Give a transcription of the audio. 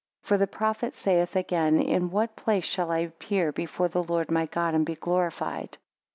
For the prophet saith again, In what place shall I appear before the Lord my God, and be glorified?